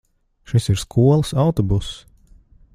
Šis ir skolas autobuss.